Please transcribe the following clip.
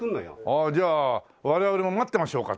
ああじゃあ我々も待ってましょうか。